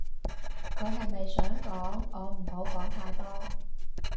佢係咪想講我唔好講太多